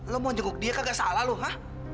lu mau jenguk dia kagak salah lu ha